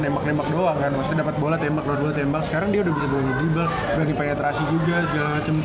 maksudnya dapat bola tembak bola tembak sekarang dia udah bisa dribble dipenetrasi juga segala macam